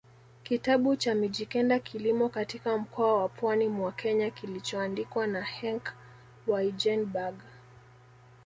kitabu cha Mijikenda kilimo katika mkoa wa pwani mwa Kenya kilichoandikwa na Henk Waaijenberg